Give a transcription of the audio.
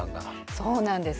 そうなんです。